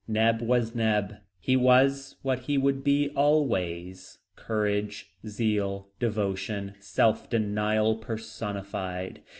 Neb was Neb: he was what he would be always, courage, zeal, devotion, self denial personified.